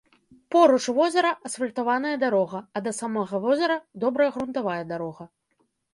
Поруч возера асфальтаваная дарога, а да самага возера добрая грунтавая дарога.